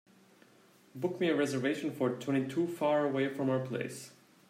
Book me a reservation for twenty two faraway from our place